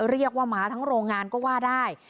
เรียกว่าหมาทั้งโรงงานก็ว่าได้